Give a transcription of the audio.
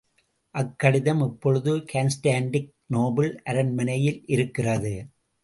அக்கடிதம் இப்பொழுது கான்ஸ்டாண்டி நோபில் அரண்மனையில் இருக்கிறது.